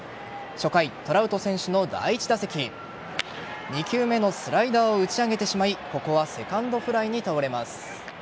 初回、トラウト選手の第１打席２球目のスライダーを打ち上げてしまいここはセカンドフライに倒れます。